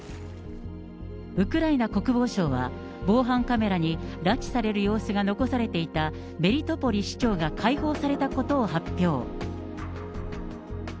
ウクライナ国防省は、防犯カメラに拉致される様子が残されていたメリトポリ市長が解放されたことを発表。